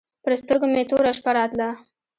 پر سترګو مې توره شپه راتله.